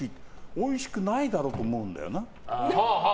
おいしくないだろうと思うんだよな。